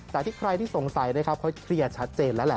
แต่ที่ใครที่สงสัยนะครับเขาเคลียร์ชัดเจนแล้วแหละ